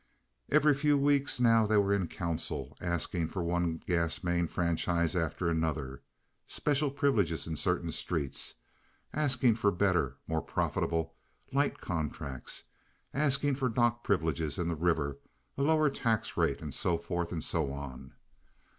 Every few weeks now they were in council, asking for one gas main franchise after another (special privileges in certain streets), asking for better (more profitable) light contracts, asking for dock privileges in the river, a lower tax rate, and so forth and so on.